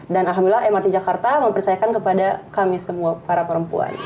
dan alhamdulillah mrt jakarta mempercayakan kepada kami semua para perempuan